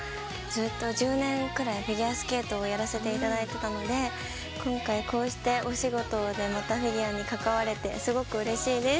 １０年くらいフィギュアスケートをやらせていただいていたので今回、こうしてお仕事でまたフィギュアに関われてすごくうれしいです。